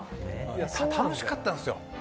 楽しかったんすよ。